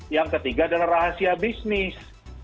yang ketiga adalah rahasia bisnis